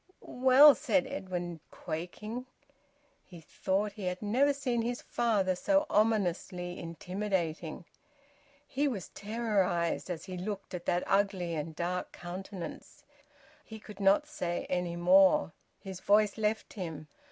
"Well " said Edwin, quaking. He thought he had never seen his father so ominously intimidating. He was terrorised as he looked at that ugly and dark countenance. He could not say any more. His voice left him.